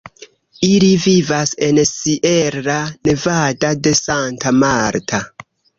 Ili vivas en Sierra Nevada de Santa Marta.